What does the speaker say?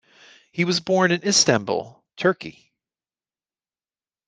He was born in Istanbul, Turkey.